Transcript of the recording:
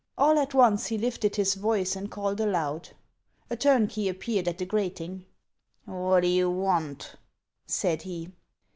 All at once he lifted his voice and called aloud. A turnkey appeared at the grating: "What do you want?" said he.